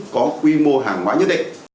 có quy mô hàng hóa nhất